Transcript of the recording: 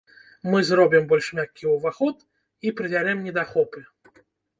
Мы зробім больш мяккі ўваход і прыбярэм недахопы.